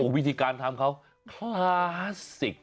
วิธีการทำเขาคลาสสิก